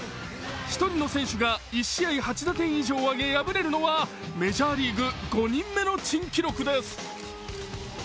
１人の選手が１試合８打点以上挙げ敗れるのはメジャーリーグ５人目の珍記録です。